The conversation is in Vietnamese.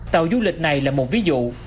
tàu du lịch này là một ví dụ